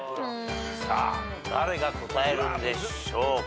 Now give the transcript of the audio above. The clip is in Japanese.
さあ誰が答えるんでしょうか。